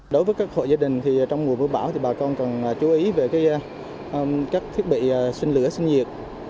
đối với các hộ gia đình trong mùa mưa bão thì bà con cần chú ý về các thiết bị sinh lửa sinh nhiệt